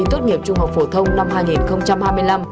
tốt nghiệp trung học phổ thông năm hai nghìn hai mươi năm